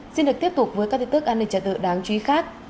xin được tiếp tục với các thuyết tức an ninh trẻ tựa đáng trí khác